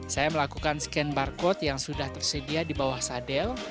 saya melakukan scan barcode yang sudah tersedia di bawah sadel